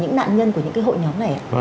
những nạn nhân của những cái hội nhóm này